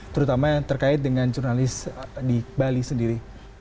terutama yang terkait dengan jurnalis di bali sendiri